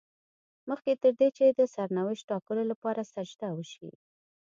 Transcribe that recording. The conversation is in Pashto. مخکې تر دې چې د سرنوشت ټاکلو لپاره سجده وشي.